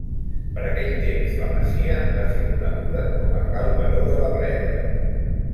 Per aquell temps la masia va ser coneguda com a Cal Baró de la Bleda.